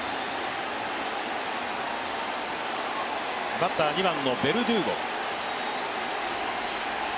バッター２番のベルドゥーゴ。